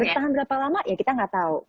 bertahan berapa lama ya kita nggak tahu